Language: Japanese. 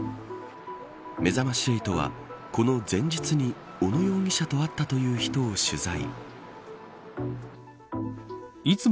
めざまし８はこの前日に小野容疑者と会ったという人を取材。